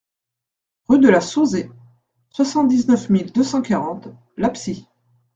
Rue de la Sauzaie, soixante-dix-neuf mille deux cent quarante L'Absie